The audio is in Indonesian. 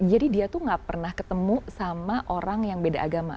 jadi dia tuh gak pernah ketemu sama orang yang beda agama